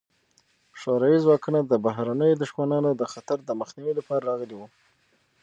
شوروي ځواکونه د بهرنیو دښمنانو د خطر د مخنیوي لپاره راغلي وو.